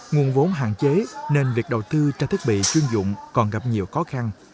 nguồn vốn hạn chế nên việc đầu tư cho thiết bị chuyên dụng còn gặp nhiều khó khăn